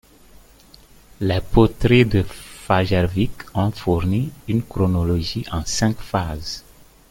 Les poteries de Fagervik ont fourni une chronologie en cinq phases.